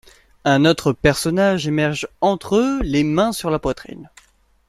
Un autre personnage émerge entre eux les mains sur la poitrine.